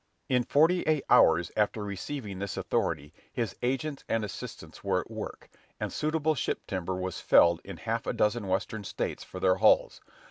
In forty eight hours after receiving this authority, his agents and assistants were at work; and suitable ship timber was felled in half a dozen Western States for their hulls.